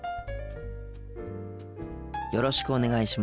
よろしくお願いします。